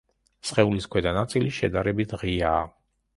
სხეულის ქვედა ნაწილი შედარებით ღიაა.